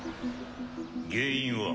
原因は？